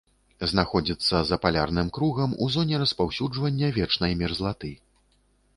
Знаходзіцца за палярным кругам, у зоне распаўсюджвання вечнай мерзлаты.